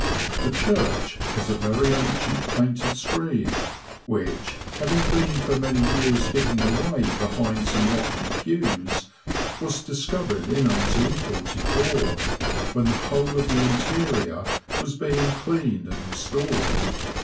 The church has a very ancient painted screen, which, having been for many years hidden away behind some lofty pews, was discovered in 1844, when the whole of the interior was being cleaned and restored.